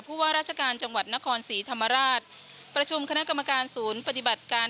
ว่าราชการจังหวัดนครศรีธรรมราชประชุมคณะกรรมการศูนย์ปฏิบัติการ